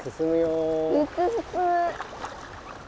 めっちゃすすむ。